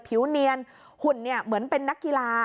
ผิวเนียนหุ่นเหมือนเป็นนักกีฬา